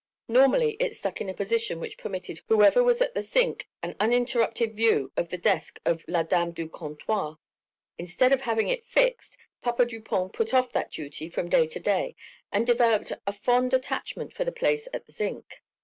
Normally it stuck in a position which permitted whoever was at the zinc an uninterrupted view of the desk of la dame du comptoir. Instead of having it fixed, Papa Dupont put off that duty from day to day and developed a fond attachment for the place at the zinc.